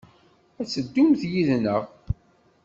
Ad teddumt yid-neɣ?